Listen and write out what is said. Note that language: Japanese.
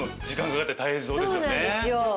そうなんですよ。